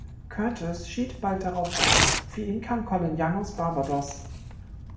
Curtis schied bald darauf aus, für ihn kam Colin Young aus Barbados.